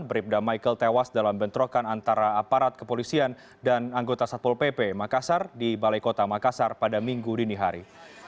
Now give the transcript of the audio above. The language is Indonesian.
bribda michael tewas dalam bentrokan antara aparat kepolisian dan anggota satpol pp makassar di balai kota makassar pada minggu dini hari